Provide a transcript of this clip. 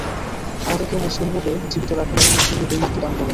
আমাদেরকে মুসলিমরূপে জীবিত রাখুন এবং মুসলিমরূপে মৃত্যু দান করুন।